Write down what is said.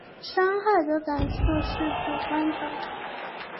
伤害的感受是主观的